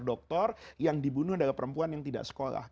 dokter yang dibunuh adalah perempuan yang tidak sekolah